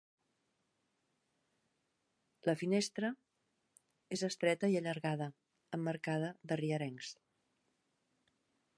La finestra és estreta i allargada, emmarcada de rierencs.